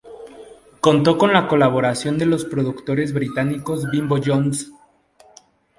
Contó con la colaboración de los productores británicos Bimbo Jones.